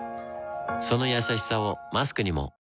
そのやさしさをマスクにも